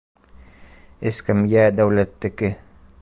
Эскәмйә дәүләттеке.